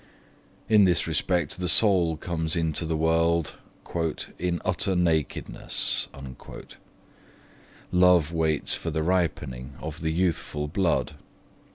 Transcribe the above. In this respect the soul comes into the world 'in utter nakedness'. Love waits for the ripening of the youthful blood.